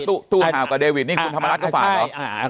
ตู้ตู้ห่าวกับเดวิตนี่คุณธรรมนัดเขาฝากเหรออ่าใช่อ่า